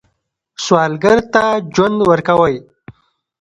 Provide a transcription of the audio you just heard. سوالګر ته ژوند ورکوئ